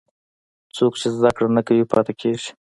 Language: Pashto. څوک چې زده کړه نه کوي، پاتې کېږي.